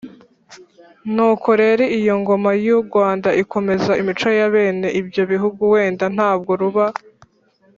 nuko rero iyo ngoma y’u rwanda ikomeza imico ya bene ibyo bihugu, wenda ntabwo ruba